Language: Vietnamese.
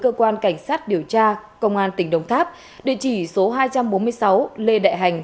cơ quan cảnh sát điều tra công an tỉnh đồng tháp địa chỉ số hai trăm bốn mươi sáu lê đại hành